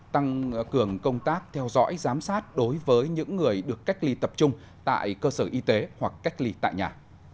tăng cường công tác theo dõi giám sát đối với những người được cách ly tập trung tại cơ sở y tế hoặc cách ly tại nhà